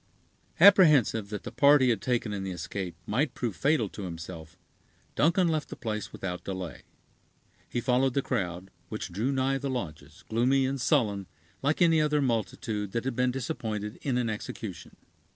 Apprehensive that the part he had taken in the escape might prove fatal to himself, Duncan left the place without delay. He followed the crowd, which drew nigh the lodges, gloomy and sullen, like any other multitude that had been disappointed in an execution.